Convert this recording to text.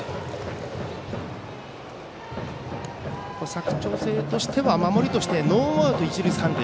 佐久長聖としては守りとしてノーアウト一塁三塁。